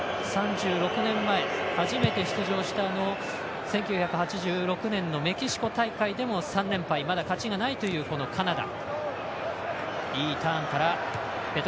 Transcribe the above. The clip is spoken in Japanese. ３６年前、初めて出場した１９８６年のメキシコ大会でも３連敗、まだ勝ちがないというカナダ。